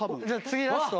次ラスト。